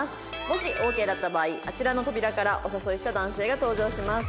もしオーケーだった場合あちらの扉からお誘いした男性が登場します。